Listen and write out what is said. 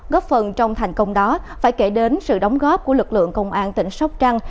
góp phần trong thành công đó phải kể đến sự đóng góp của lực lượng công an tỉnh sóc trăng